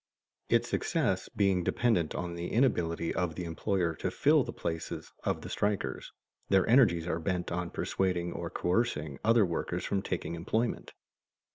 Its success being dependent on the inability of the employer to fill the places of the strikers, their energies are bent on persuading or coercing other workers from taking employment.